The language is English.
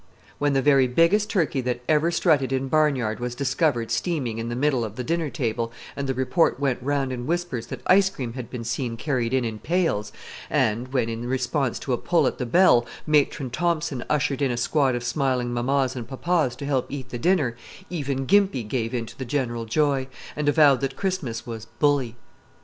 When the very biggest turkey that ever strutted in barnyard was discovered steaming in the middle of the dinner table and the report went round in whispers that ice cream had been seen carried in in pails, and when, in response to a pull at the bell, Matron Thomsen ushered in a squad of smiling mamas and papas to help eat the dinner, even Gimpy gave in to the general joy, and avowed that Christmas was "bully."